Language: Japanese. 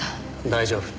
大丈夫。